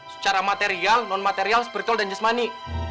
secara material non material spiritul dan jasmani